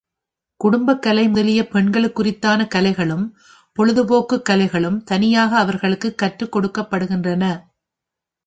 குடும்பக்கலை முதலிய பெண்களுக் குரித்தான கலைகளும், பொழுது போக்குக் கலைகளும் தனியாக அவர்களுக்குக் கற்றுக்கொடுக்கப்படுகின்றன.